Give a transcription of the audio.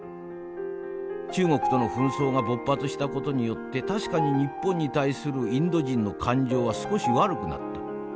中国との紛争が勃発した事によって確かに日本に対するインド人の感情は少し悪くなった。